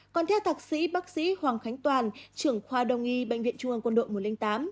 còn theo thạc sĩ bác sĩ hoàng khánh toàn trưởng khoa đồng y bệnh viện trung ương quân đội một trăm linh tám